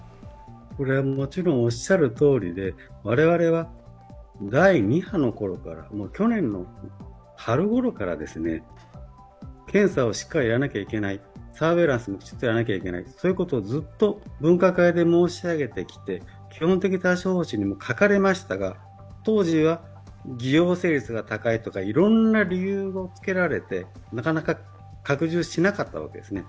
これはもちろん、おっしゃるとおりで我々は第２波のころから去年の春ごろから検査をしっかりやらなきゃいけない、サーベランスも聞かなきゃいけないと分科会で申し上げてきて基本的対処方針にも書かれましたが当時は偽陽性率が高いとかいろんな理由をつけられて、なかなか拡充しなかったわけですね。